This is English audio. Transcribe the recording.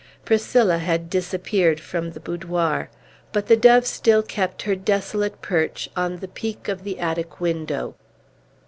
Priscilla had disappeared from the boudoir. But the dove still kept her desolate perch on the peak of the attic window.